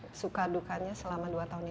ini sukan dukanya selama dua tahun ini